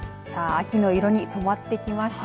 秋の色に染まってきました。